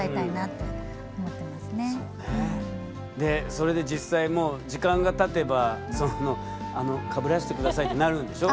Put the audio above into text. それで実際時間がたてばかぶらして下さいってなるんでしょ？